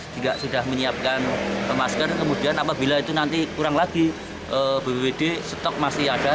juga sudah menyiapkan masker kemudian apabila itu nanti kurang lagi bppd stok masih ada